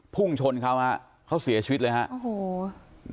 พุ่งชนเขาฮะเขาเสียชีวิตเลยฮะโอ้โห